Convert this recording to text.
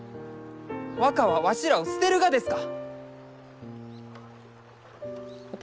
若はわしらを捨てるがですか！